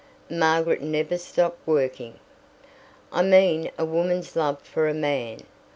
Margaret never stopped working. "I mean a woman's love for a man.